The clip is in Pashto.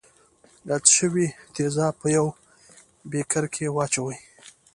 یاد شوي تیزاب په یوه بیکر کې واچوئ.